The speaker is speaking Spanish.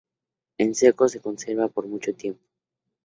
En seco se conserva por mucho tiempo.